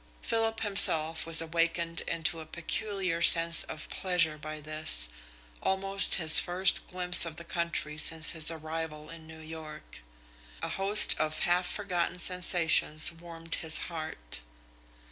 Philip himself was awakened into a peculiar sense of pleasure by this, almost his first glimpse of the country since his arrival in New York. A host of half forgotten sensations warmed his heart.